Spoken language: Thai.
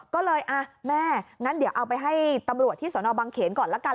ก็เลยแม่งั้นเดี๋ยวเอาไปให้ตำรวจที่สนบังเขนก่อนละกัน